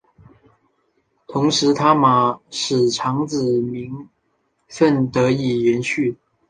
同时他玛使长子名份得以延续。